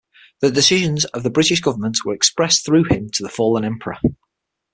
The decisions of the British government were expressed through him to the fallen Emperor.